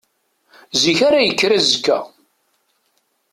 Zik ara yekker azekka.